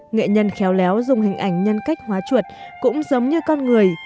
nghệ nhân khéo léo dùng hình ảnh nhân cách hóa chuột cũng giống như con người